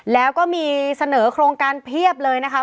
แล้วก็มีเสนอโครงการเพียบเลยนะคะ